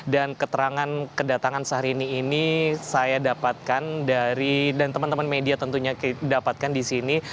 dan keterangan kedatangan syahrini ini saya dapatkan dari dan teman teman media tentunya dapatkan disini